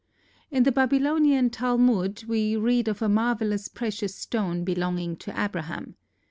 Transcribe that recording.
In the Babylonian Talmud we read of a marvellous precious stone belonging to Abraham.